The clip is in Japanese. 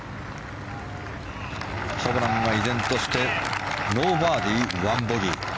ホブランは依然としてノーバーディー、１ボギー。